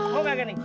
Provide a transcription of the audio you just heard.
mau gak gini